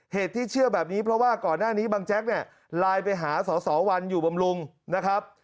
เหตุที่เชื่อแบบนี้เพราะว่าก่อนหน้านี้บางแจ๊กเนี่ยไลน์ไปหาสอสอวันอยู่บำรุงนะครับ